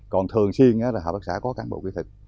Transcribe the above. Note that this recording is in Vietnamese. còn thường xuyên là hạ bắc xã có cán bộ kỹ thuật